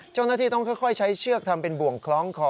เจ้าหน้าที่ต้องค่อยใช้เชือกทำเป็นบ่วงคล้องคอ